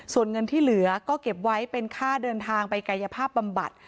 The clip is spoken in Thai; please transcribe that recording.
ส่วนเงินที่เหลือก็เก็บไว้เป็นค่าเดินทางไปกายภาพบำบัด